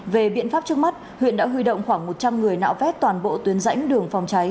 về biện pháp trước mắt huyện đã huy động khoảng một trăm linh người nạo vét toàn bộ tuyến rãnh đường phòng cháy